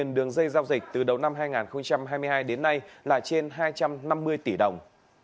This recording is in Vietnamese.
đường dây giao dịch từ đầu năm hai nghìn hai mươi hai đến nay là trên hai trăm năm mươi tỷ đồng